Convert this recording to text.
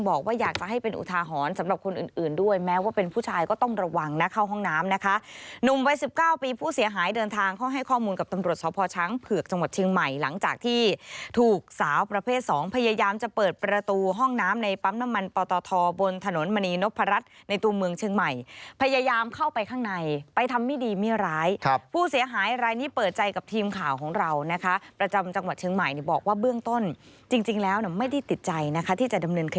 บอกว่าอยากจะให้เป็นอุทาหอนสำหรับคนอื่นด้วยแม้ว่าเป็นผู้ชายก็ต้องระวังนะเข้าห้องน้ำนะคะหนุ่มวัย๑๙ปีผู้เสียหายเดินทางเขาให้ข้อมูลกับตำรวจศพช้างเผือกจังหวัดเชียงใหม่หลังจากที่ถูกสาวประเภท๒พยายามจะเปิดประตูห้องน้ำในปั๊มน้ำมันต่อทอบนถนนมณีนพรรดในตัวเมืองเชียงใหม